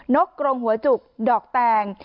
นกโกลงหัวจุกดอกแตง